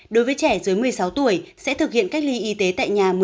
đối với trẻ dưới một mươi sáu tuổi sẽ thực hiện cách ly y tế tại nhà